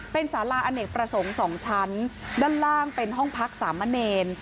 เป็นสาราอเนกประสงค์๒ชั้นด้านล่างเป็นห้องพักสามเณร